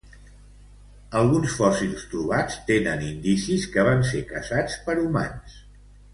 Alguns fòssils trobats tenen indicis que van ser caçats per humans.